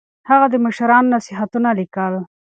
هغه د مشرانو نصيحتونه ليکل.